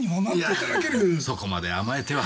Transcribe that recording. そこまで甘えては。